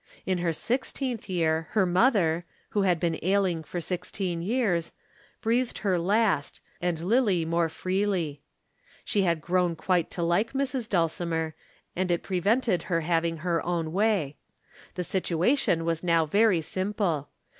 In her sixteenth year her mother, who had been ailing for sixteen years, breathed her last, and Lillie more freely. She had grown quite to like Mrs. Dulcimer, and it prevented her having her own way. The situation was now very simple.